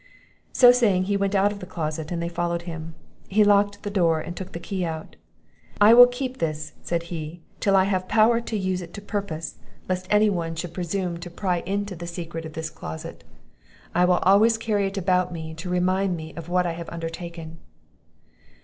So saying, he went out of the closet, and they followed him. He locked the door, and took the key out "I will keep this," said he, "till I have power to use it to purpose, lest any one should presume to pry into the secret of this closet. I will always carry it about me, to remind me of what I have undertaken."